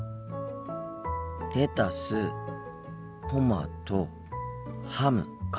レタストマトハムか。